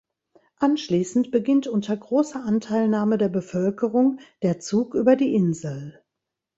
Anschließend beginnt unter großer Anteilnahme der Bevölkerung der Zug über die Insel.